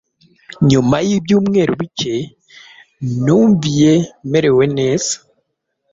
Nyuma yibyumweru bike, numvie merewe neza